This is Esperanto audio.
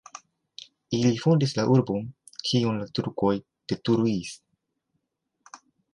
Ili fondis la urbon, kion la turkoj detruis.